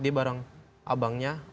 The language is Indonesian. dia bareng abangnya